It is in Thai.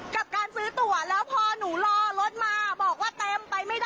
กับการซื้อตัวแล้วพอหนูรอรถมาบอกว่าเต็มไปไม่ได้